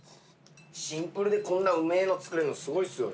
シンプルでこんなうめぇの作れるのすごいですよね。